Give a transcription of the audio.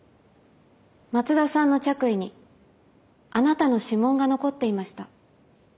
松田さんの着衣にあなたの指紋が残っていました。